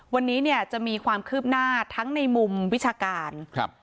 วันนี้เนี่ยจะมีความคืบหน้าทั้งในมุมวิชาการครับ